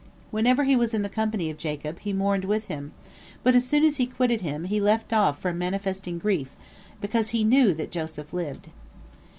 Whenever he was in the company of Jacob, he mourned with him, but as soon as he quitted him, he left off from manifesting grief, because he knew that Joseph lived.